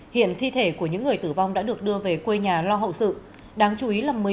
hiện thi thể của những người tử vong đã được đưa về quê nhà lo hậu sự đáng chú ý là một mươi